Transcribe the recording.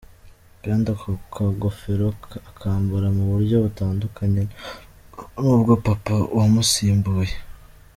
Kandi ako kagofero akambara mu buryo butandukanye n’ubwa Paapa wamusimbuye.